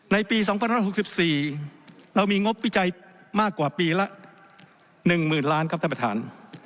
ในปี๒๑๖๔เรามีงบวิจัยมากกว่าปีละ๑๐๐๐ล้านครับท่านประธาน